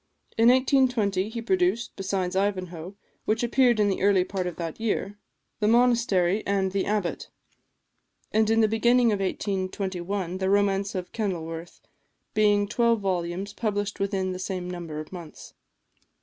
In 1820 he produced, besides "Ivanhoe," which appeared in the early part of that year, "The Monastery" and "The Abbot;" and in the beginning of 1821, the romance of "Kenilworth," being twelve volumes published within the same number of months.